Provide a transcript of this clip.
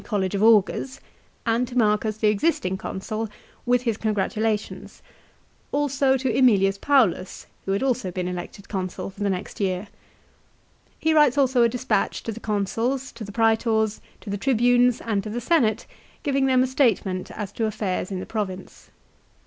101 College of Augurs, and to Marcus the existing Consul with his congratulations ; also to ^Emilius Paulus, who had also been elected Consul for the next year. He writes also a despatch to the Consuls, to the Prsetors, to the Tribunes, and to the Senate, giving them a statement as to affairs in the Province.